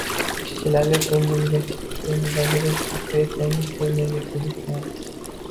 Ishchilarga ko`ngildagidek haq bermasangiz, fermerga kelishmaydi